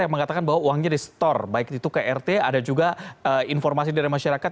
yang mengatakan bahwa uangnya di store baik itu ke rt ada juga informasi dari masyarakat